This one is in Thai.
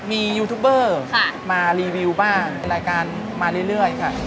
มียูทูบเบอร์มารีวิวบ้างเป็นรายการมาเรื่อยค่ะ